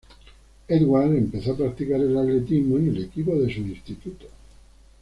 Edwards empezó a practicar el atletismo en el equipo de su instituto.